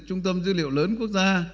trung tâm dữ liệu lớn quốc gia